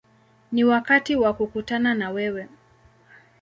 Ni wakati wa kukutana na wewe”.